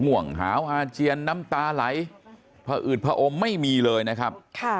ง่วงหาวอาเจียนน้ำตาไหลพออืดผอมไม่มีเลยนะครับ